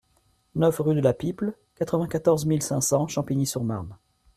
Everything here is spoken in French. neuf rue de la Piple, quatre-vingt-quatorze mille cinq cents Champigny-sur-Marne